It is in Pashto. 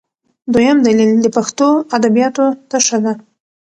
دویم دلیل د پښتو ادبیاتو تشه ده.